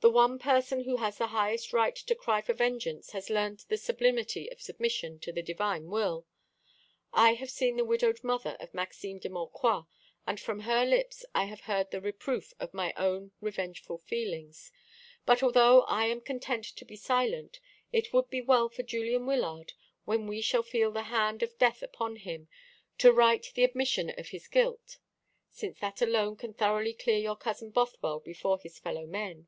The one person who has the highest right to cry for vengeance has learnt the sublimity of submission to the Divine Will. I have seen the widowed mother of Maxime de Maucroix; and from her lips I have heard the reproof of my own revengeful feelings. But although I am content to be silent, it would be well for Julian Wyllard, when he shall feel the hand of death upon him, to write the admission of his guilt; since that alone can thoroughly clear your cousin Bothwell before his fellow men.